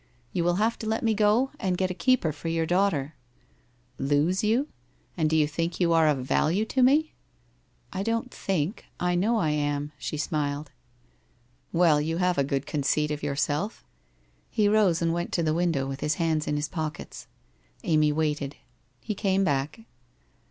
You will have to let me go, and get a keeper for your daughter.' ' Lose vou ? And do vou think vou are of value to me ?'* I don't think. I know I am.' She smiled. * Well, you have a good conceit of yourself.' He rose and went to the window with his hands in his pockets. Amy waited. He came back.